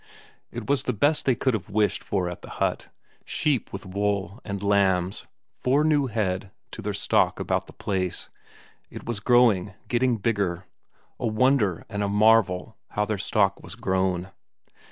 It was the best they could have wished for at the hut; sheep with wool and lambs four new head to their stock about the place; it was growing, getting bigger; a wonder and a marvel how their stock was grown.